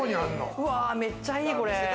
めっちゃいい、これ。